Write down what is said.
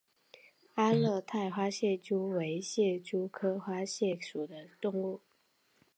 阿勒泰花蟹蛛为蟹蛛科花蟹蛛属的动物。